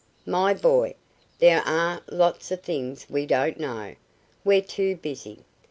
"My boy, there are lots of things we don't know. We're too busy.